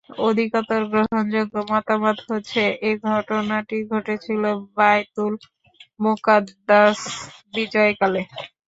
অধিকতর গ্রহণযোগ্য মতামত হচ্ছে—এ ঘটনাটি ঘটেছিল বায়তুল মুকাদ্দাস বিজয়কালে।